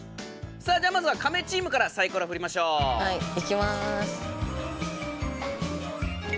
さあじゃあまずはカメチームからサイコロふりましょう！いきます！